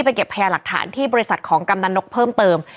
เก็บพยาหลักฐานที่บริษัทของกำนันนกเพิ่มเติม